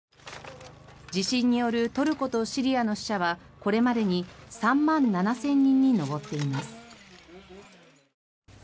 地震によるトルコとシリアの死者はこれまでに３万７０００人に上っています。